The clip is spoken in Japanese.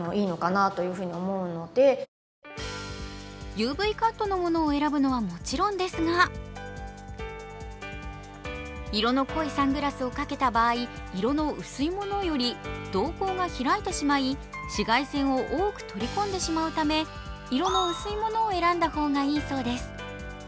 ＵＶカットのものを選ぶのはもちろんですが色の濃いサングラスをかけた場合色の薄いものより瞳孔が開いてしまい紫外線を多く取り込んでしまうため色の薄いものを選んだ方がいいそうです。